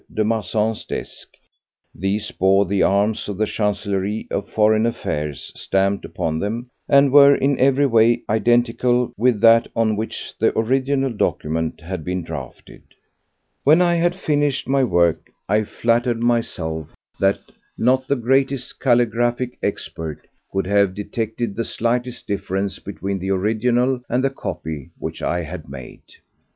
de Marsan's desk; these bore the arms of the Chancellerie of Foreign Affairs stamped upon them, and were in every way identical with that on which the original document had been drafted. When I had finished my work I flattered myself that not the greatest calligraphic expert could have detected the slightest difference between the original and the copy which I had made.